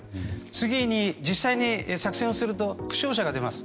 次に、実際に作戦をすると負傷者が出ます。